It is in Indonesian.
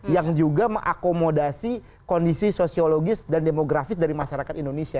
yang juga mengakomodasi kondisi sosiologis dan demografis dari masyarakat indonesia